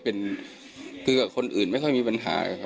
ก็เป็นคือกับคนอื่นไม่ค่อยมีปัญหาค่ะ